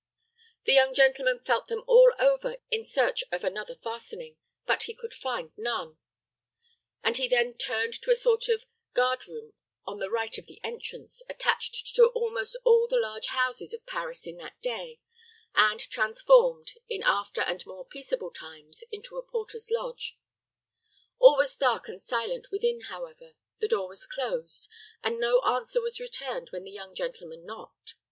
The young gentleman felt them all over in search of another fastening; but he could find none; and he then turned to a little sort of guardroom on the right of the entrance, attached to almost all the large houses of Paris in that day, and transformed, in after and more peaceable times, into a porter's lodge. All was dark and silent within, however: the door closed; and no answer was returned when the young gentleman knocked.